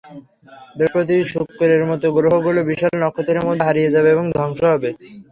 বৃহস্পতি, শুক্রের মতো গ্রহগুলো বিশাল নক্ষত্রের মধ্যে হারিয়ে যাবে এবং ধ্বংস হবে।